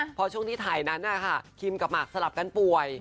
พอช่วงที่ถ่ายนั้นนะคะคิมกับหมากสลับกันป่วย